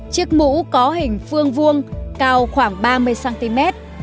chiếc mũ có hình phương vuông cao khoảng ba mươi cm